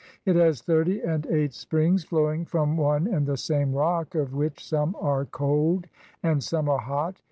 It has thirty and eight springs flowing from one and the same rock, of which some are cold and some are hot.